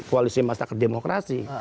koalisi masyarakat demokrasi